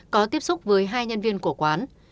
có tiếp xúc với hai nhân viên của quán